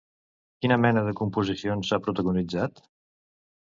Quina mena de composicions ha protagonitzat?